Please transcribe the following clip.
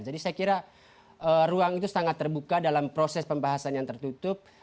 jadi saya kira ruang itu sangat terbuka dalam proses pembahasan yang tertutup